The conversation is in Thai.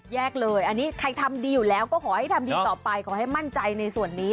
แยกเลยอันนี้ทางคลับดีอยู่แล้วก็ขอให้กันไปก็ให้มั่นใจในส่วนนี้